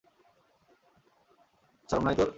শরম নাই তোর?